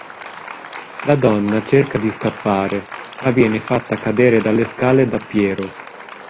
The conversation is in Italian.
La donna cerca di scappare, ma viene fatta cadere dalle scale da Piero.